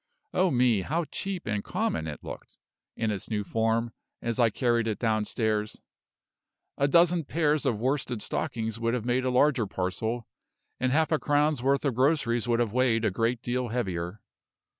Oh me, how cheap and common it looked, in its new form, as I carried it downstairs! A dozen pairs of worsted stockings would have made a larger parcel; and half a crown's worth of groceries would have weighed a great deal heavier.